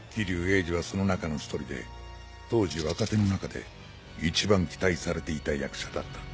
鋭治はその中の１人で当時若手の中で一番期待されていた役者だった。